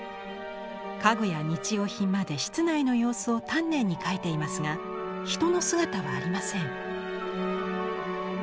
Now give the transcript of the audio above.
家具や日用品まで室内の様子を丹念に描いていますが人の姿はありません。